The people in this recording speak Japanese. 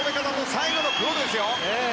最後のクロールですよ！